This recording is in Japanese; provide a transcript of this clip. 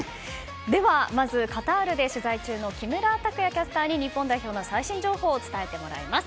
ではまずカタールで取材中の木村拓也キャスターに日本代表の最新情報を伝えてもらいます。